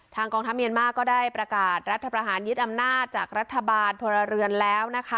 กองทัพเมียนมาร์ก็ได้ประกาศรัฐประหารยึดอำนาจจากรัฐบาลพลเรือนแล้วนะคะ